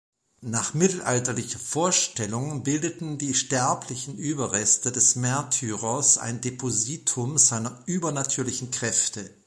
Nach mittelalterlicher Vorstellung bildeten die sterblichen Überreste des Märtyrers ein Depositum seiner übernatürlichen Kräfte.